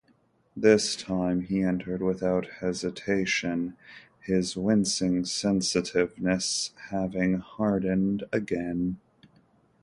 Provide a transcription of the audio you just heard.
This time he entered without hesitation, his wincing sensitiveness having hardened again.